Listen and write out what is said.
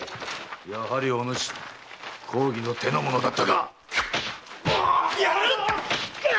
やはりお主公儀の手の者だったか！